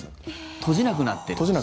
閉じなくなってる。